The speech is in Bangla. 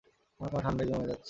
আমার পা ঠাণ্ডায় জমে যাচ্ছে।